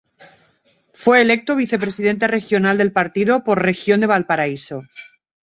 Fue electo vicepresidente regional del partido por Región de Valparaíso.